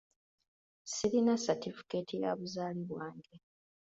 Sirina satifikeeti ya buzaale bwange.